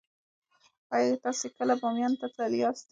ایا تاسې کله بامیانو ته تللي یاست؟